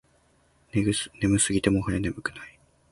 眠すぎてもはや眠くない